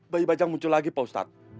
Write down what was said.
bayi bajang muncul lagi pak ustadz